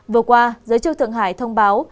vừa qua giới chức thượng hải thông báo